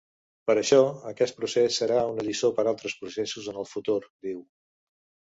Per això, aquest procés serà una lliçó per altres processos en el futur, diu.